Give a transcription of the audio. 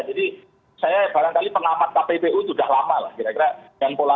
jadi saya barangkali pengalaman kppu itu sudah lama lah kira kira